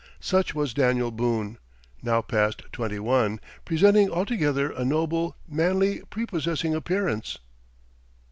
Such was Daniel Boone, now past twenty one, presenting altogether a noble, manly, prepossessing appearance....